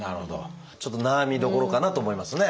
ちょっと悩みどころかなと思いますね。